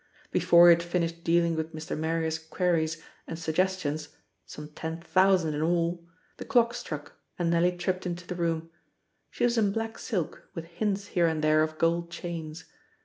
Before he had finished dealing with Mr. Marrier's queries and suggestions some ten thousand in all the clock struck, and Nellie tripped into the room. She was in black silk, with hints here and there of gold chains.